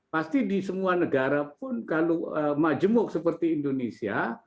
pasti di semua negara pun kalau majemuk seperti indonesia